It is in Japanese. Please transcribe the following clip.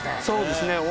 そうですね